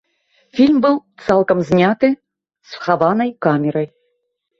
Фільм быў цалкам зняты схаванай камерай.